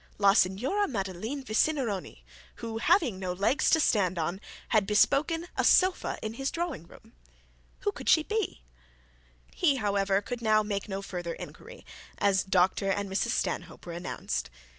La Signora Madeline Vicinironi, who, having no legs to stand on, had bespoken a sofa in his drawing room! who could she be? He however could now make no further inquiry, as Dr and Mrs Stanhope were announced.